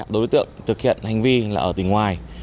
đối tượng thực hiện hành vi là ở tỉnh ngoài